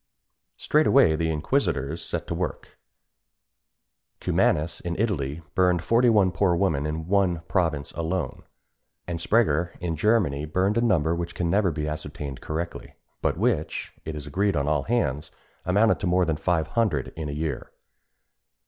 Straightway the inquisitors set to work: Cumanus, in Italy, burned forty one poor women in one province alone; and Sprenger, in Germany, burned a number which can never be ascertained correctly, but which, it is agreed on all hands, amounted to more than five hundred in a year.